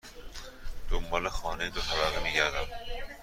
دنبال خانه دو طبقه می گردم.